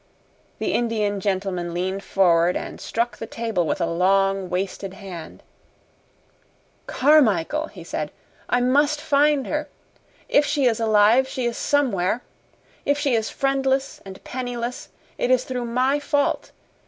The Indian gentleman leaned forward and struck the table with a long, wasted hand. "Carmichael," he said, "I MUST find her. If she is alive, she is somewhere. If she is friendless and penniless, it is through my fault.